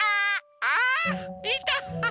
あっいた！